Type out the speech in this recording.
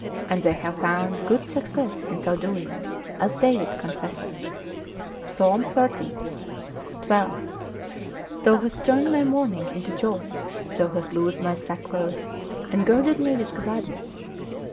And they have found good success in so doing, as David confesseth, Psal. xxx. 12. Thou hast turned my mourning into joy, thou hast loosed my sackcloth, and girded me with gladness.